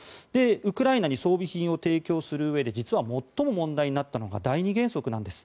ウクライナに装備品を提供するうえで実は最も問題になったのが第２原則なんです。